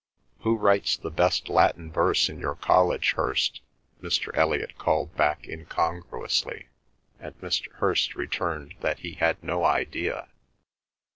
"Who writes the best Latin verse in your college, Hirst?" Mr. Elliot called back incongruously, and Mr. Hirst returned that he had no idea.